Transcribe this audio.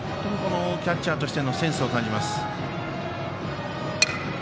キャッチャーとしてのセンスを感じます。